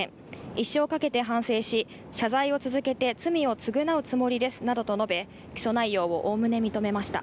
一生かけて反省し、謝罪を続けて罪を償うつもりですなどと述べ、起訴内容をおおむね認めました。